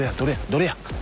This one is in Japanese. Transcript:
どれや？